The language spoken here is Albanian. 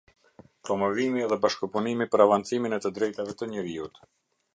Promovimi dhe bashkëpunimi për avancimin e të drejtave të njeriut.